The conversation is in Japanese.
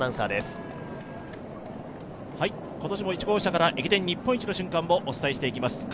今年も１号車から日本一の瞬間をお伝えしていきます。